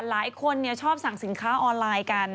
หลายคนชอบสั่งสินค้าออนไลน์กัน